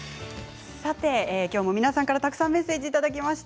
きょうも皆さんからたくさんメッセージをいただきました。